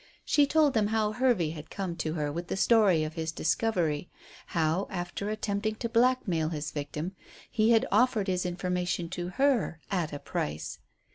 She told them how Hervey had come to her with the story of his discovery; how, after attempting to blackmail his victim, he had offered his information to her at a price.